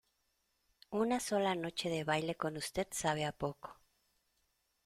una sola noche de baile con usted sabe a poco.